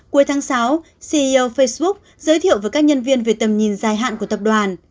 cuối tháng sáu ceo facebook giới thiệu với các nhân viên về tầm nhìn dài hạn của tập đoàn